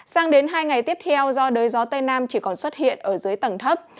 sang đến hai ngày tiếp theo do đới gió tây nam chỉ còn xuất hiện ở dưới tầng thấp